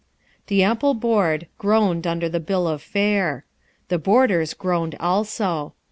The ample board groaned under the bill of fare. The boarders groaned also.